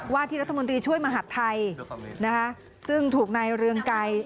ว่าที่รัฐมนตรีช่วยมหัสไทยซึ่งถูกในเรื่องไกล